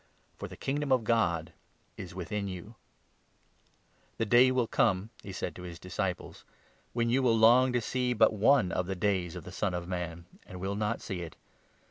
for the Kingdom of God is within you ! The day will come," he said to his disciples, 22 " when you will long to see but one of the days of the Son of Man, and will not see it.